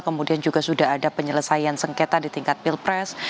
kemudian juga sudah ada penyelesaian sengketa di tingkat pilpres